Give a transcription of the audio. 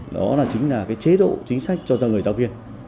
đó chính là chế độ chính sách cho người giáo viên